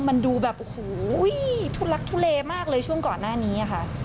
มันดูแบบโอ้โหทุลักทุเลมากเลยช่วงก่อนหน้านี้ค่ะ